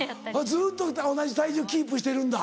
ずっと同じ体重キープしてるんだ。